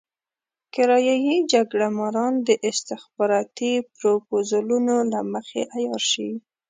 کرايه يي جګړه ماران د استخباراتي پروپوزلونو له مخې عيار شي.